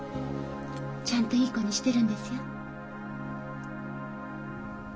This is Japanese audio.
ちゃんといい子にしてるんですよ。